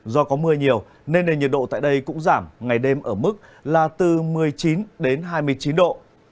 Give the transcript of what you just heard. do có mưa nhiều nên nền nhiệt độ tại đây cũng giảm ngày đêm ở mức là từ một mươi chín đến hai mươi chín độ